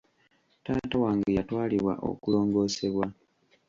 Taata wange yatwalibwa okulongoosebwa.